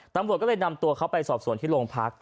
ตำรวจก็เลยนำตัวเขาไปสอบส่วนที่โรงพัก